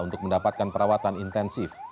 untuk mendapatkan perawatan intensif